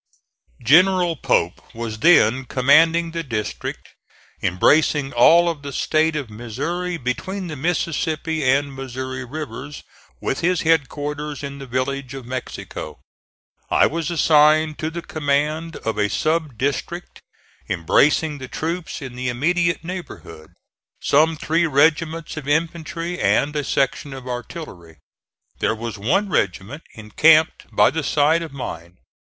General Pope was then commanding the district embracing all of the State of Missouri between the Mississippi and Missouri rivers, with his headquarters in the village of Mexico. I was assigned to the command of a sub district embracing the troops in the immediate neighborhood, some three regiments of infantry and a section of artillery. There was one regiment encamped by the side of mine.